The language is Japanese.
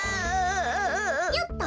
よっと！